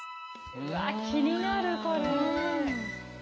うわ気になるこれ。